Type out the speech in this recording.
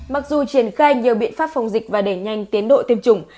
mặc dù triển khai nhiều biện pháp phòng dịch và đẩy nhanh tiến độ tiêm chủng